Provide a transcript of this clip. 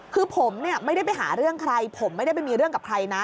คือผมเนี่ยไม่ได้ไปหาเรื่องใครผมไม่ได้ไปมีเรื่องกับใครนะ